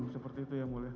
seperti itu ya mulia